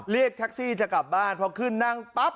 เรียกแท็กซี่จะกลับบ้านพอขึ้นนั่งปั๊บ